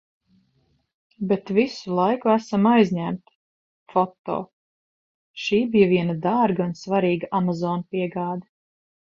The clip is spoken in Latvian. Bet visu laiku esam aizņemti. Foto. Šī bija viena dārga un svarīga Amazon piegāde.